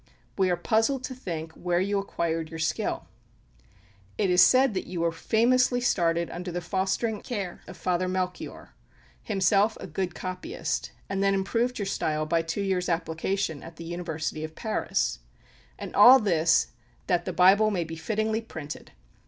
We are puzzled to think where you acquired your skill. It is said that you were famously started under the fostering care of Father Melchoir, himself a good copyist, and then improved your style by two years' application at the University of Paris. And all this that the Bible may be fittingly printed!